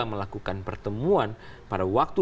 melakukan pertemuan pada waktu